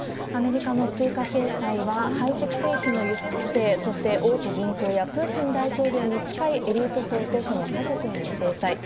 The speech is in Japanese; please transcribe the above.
アメリカの追加制裁は、ハイテク製品の輸出規制、そして大手銀行やプーチン大統領に近いエリート層とその家族への制裁。